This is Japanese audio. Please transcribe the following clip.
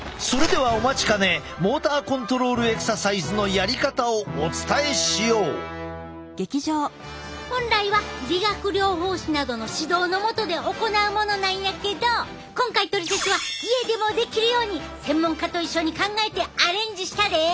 それではお待ちかね本来は理学療法士などの指導の下で行うものなんやけど今回「トリセツ」は家でもできるように専門家と一緒に考えてアレンジしたで！